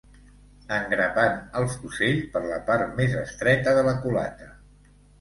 Engrapant el fusell per la part més estreta de la culata